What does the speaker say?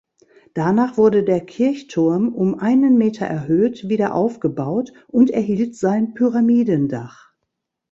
Danach wurde der Kirchturm um einen Meter erhöht wieder aufgebaut und erhielt sein Pyramidendach.